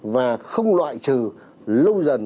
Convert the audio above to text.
và không loại trừ lâu dần